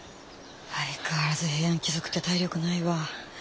相変わらず平安貴族って体力ないわ。